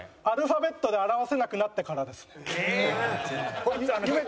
アルファベットで表せなくなってからですね。